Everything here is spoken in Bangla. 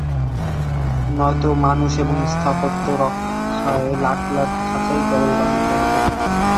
নয়তো মানুষ এবং স্থাপত্য রক্ষায় লাখ লাখ খাঁচাই কেবল বানাতে হবে।